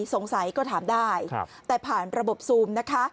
สงสัยก็ถามได้แต่ผ่านระบบซูมนะคะ